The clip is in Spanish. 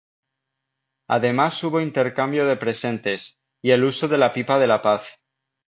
Además hubo intercambio de presentes, y el uso de la pipa de la paz.